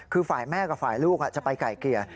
คือฝ่ายแม่กับฝ่ายลูกจะไปไก่เกลี่ย